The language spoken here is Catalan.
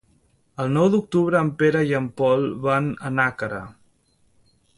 El nou d'octubre en Pere i en Pol van a Nàquera.